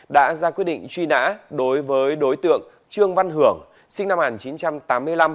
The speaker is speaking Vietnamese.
đã ra quyết định truy nã đối với đối tượng trương văn hưởng sinh năm một nghìn chín trăm tám mươi năm